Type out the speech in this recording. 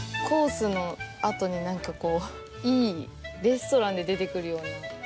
コースのあとに何かこういいレストランで出てくるような。